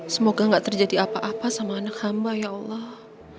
semoga gak terjadi apa apa sama anak hamba ya allah